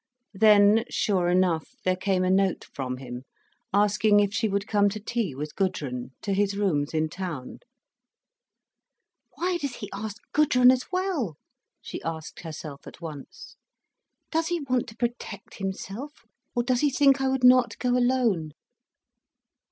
Then, sure enough, there came a note from him, asking if she would come to tea with Gudrun, to his rooms in town. "Why does he ask Gudrun as well?" she asked herself at once. "Does he want to protect himself, or does he think I would not go alone?"